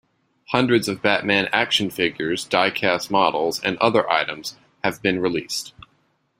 Hundreds of Batman action figures, die-cast models, and other items have been released.